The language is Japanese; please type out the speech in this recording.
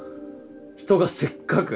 人がせっかく。